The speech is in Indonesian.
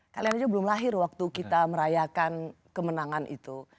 kalian aja belum lahir waktu kita merayakan kemenangan itu